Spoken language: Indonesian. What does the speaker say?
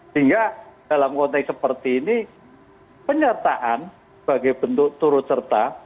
sehingga dalam konteks seperti ini penyertaan sebagai bentuk turut serta